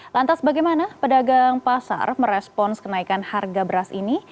lantas bagaimana pedagang pasar merespons kenaikan harga beras ini